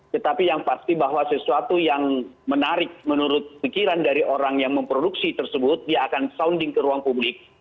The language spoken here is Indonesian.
tetapi yang pasti bahwa sesuatu yang menarik menurut pikiran dari orang yang memproduksi tersebut dia akan sounding ke ruang publik